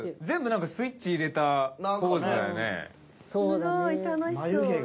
全部なんかスイッチ入れたポーズだよね。